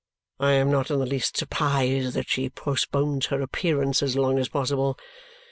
I am not in the least surprised that she postpones her appearance as long as possible.